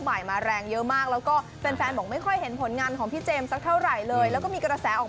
ใหม่มาแรงเยอะมากแล้วก็แฟนบอกไม่ค่อยเห็นผลงานของพี่เจมสเท่าไหร่เลยแล้วก็มีกระแสออก